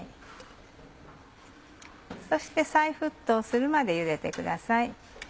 そして再沸騰するまで茹でてください。